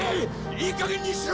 いい加減にしろ！